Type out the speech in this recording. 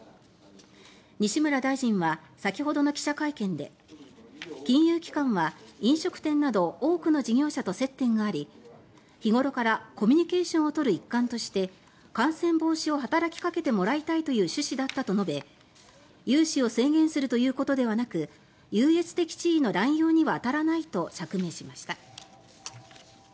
西村大臣は先ほどの記者会見で金融機関は飲食店など多くの事業者と接点があり日ごろからコミュニケーションを取る一環として感染防止を働きかけてもらいたいという趣旨だったと述べ融資を制限するということではなく優越的地位の乱用には当たらないと釈明しました。